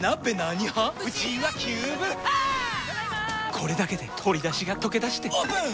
これだけで鶏だしがとけだしてオープン！